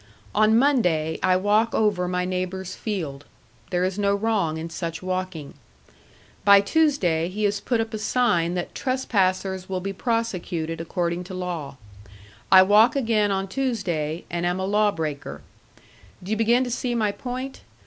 On Monday I walk over my neighbor's field; there is no wrong in such walking. By Tuesday he has put up a sign that trespassers will be prosecuted according to law. I walk again on Tuesday, and am a law breaker. Do you begin to see my point?